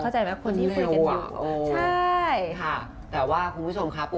ได้น้องนิลาสวัสดีค่ะ